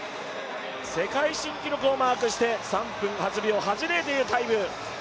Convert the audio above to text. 世界新記録をマークして３分８秒８０というタイム。